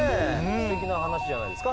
すてきな話じゃないですか？